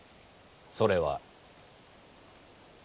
それは。